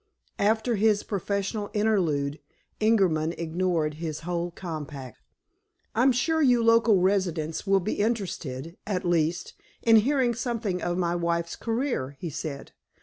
After this professional interlude, Ingerman ignored his own compact. "I'm sure you local residents will be interested, at least, in hearing something of my wife's career," he said.